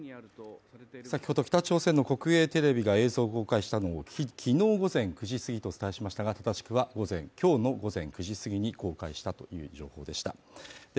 先ほど北朝鮮の国営テレビが映像を公開したのを昨日午前９時すぎと報じましたが正しくは午前今日の午前９時過ぎに公開したという情報でした。